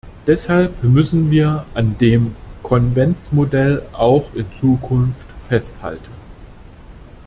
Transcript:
Deshalb müssen wir an dem Konventsmodell auch in Zukunft festhalten.